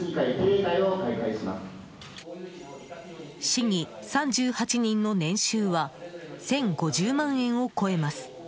市議３８人の年収は１０５０万円を超えます。